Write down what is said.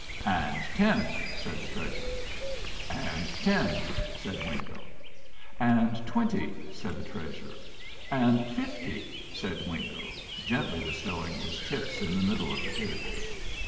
"And ten," said the Treasurer. "And ten," said Wingo. "And twenty," said the Treasurer. "And fifty," said Wingo, gently bestowing his chips in the middle of the table.